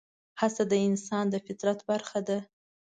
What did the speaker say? هڅه د انسان د فطرت برخه ده.